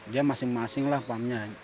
dia masing masing lah pahamnya